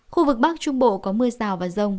khu vực bắc trung bộ có mưa rào và rông